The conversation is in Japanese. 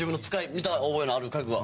見た覚えのある家具が」